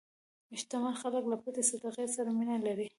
شتمن خلک له پټې صدقې سره مینه لري.